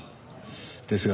ですが